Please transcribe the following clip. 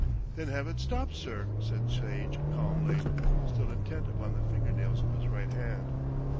"Then have it stopped, sir," said Sage calmly, still intent upon the finger nails of his right hand.